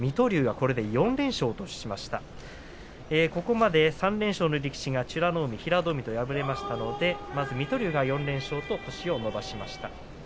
ここまで３連勝の力士が美ノ海、平戸海が敗れましたので、まず水戸龍が４連勝と星を伸ばしました。